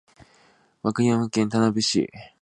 和歌山県田辺市